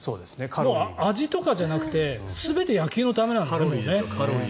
もう味とかじゃなくて全て野球のためなんだよね。